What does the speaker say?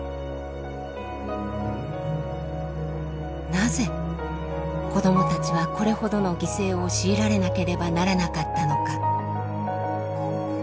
なぜ子どもたちはこれほどの犠牲を強いられなければならなかったのか。